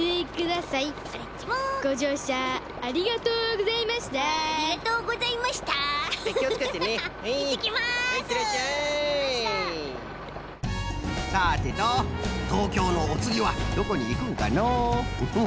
さてととうきょうのおつぎはどこにいくんかのう？